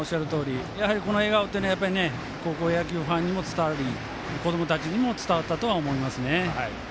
やはりこの笑顔というのは高校野球ファンにも伝わり子どもたちにも伝わったと思います。